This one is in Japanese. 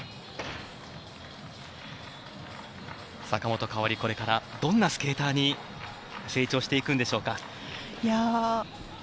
坂本花織、これからどんなスケーターに成長していくんでしょうか。